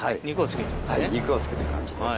肉をつけてく感じです。